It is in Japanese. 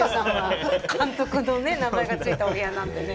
監督の名前が付いたお部屋なんてね。